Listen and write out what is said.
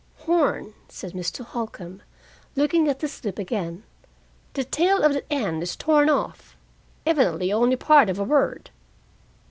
"Horn " said Mr. Holcombe, looking at the slip again. "The tail of the 'n' is torn off evidently only part of a word.